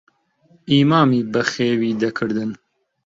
ئیمامی بەخێوی دەکردن.